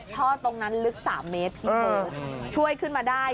ถ้าตรงนั้นลึก๓เมตรช่วยขึ้นมาได้